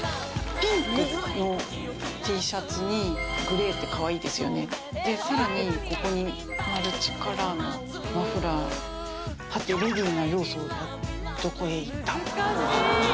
ピンクのＴシャツにグレーってかわいいですよねで更にここにマルチカラーのマフラーはてレディな要素はどこへ行った？